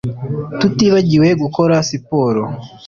tutigabiwe gukora siporo